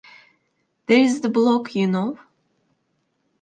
There is the blog, you know.